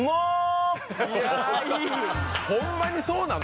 ホンマにそうなんの？